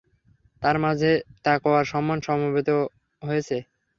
তাঁর মাঝে তাকওয়ার সম্মান সমবেত হয়েছে।